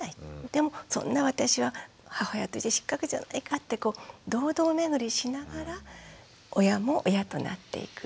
でもそんな私は母親として失格じゃないかってこう堂々巡りしながら親も親となっていく。